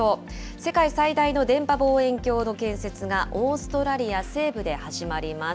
世界最大の電波望遠鏡の建設がオーストラリア西部で始まります。